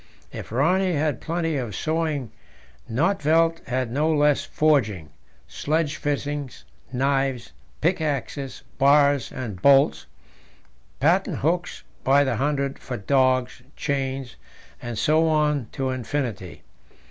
If Rönne had plenty of sewing, Nödtvedt had no less forging sledge fittings, knives, pickaxes, bars and bolts, patent hooks by the hundred for dogs, chains, and so on to infinity.